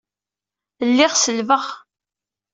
Lliɣ selbeɣ.